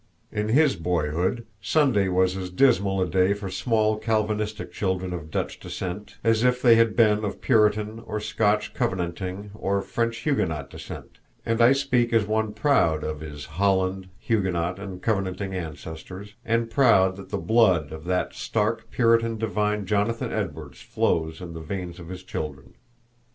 In his boyhood Sunday was as dismal a day for small Calvinistic children of Dutch descent as if they had been of Puritan or Scotch Covenanting or French Huguenot descent and I speak as one proud of his Holland, Huguenot, and Covenanting ancestors, and proud that the blood of that stark Puritan divine Jonathan Edwards flows in the veins of his children.